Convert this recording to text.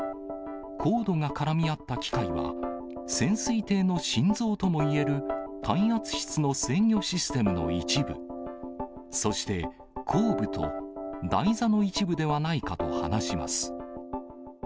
コードが絡み合った機械は、潜水艇の心臓ともいえる、耐圧室の制御システムの一部、そして、後部と台座の一部ではないかと話します。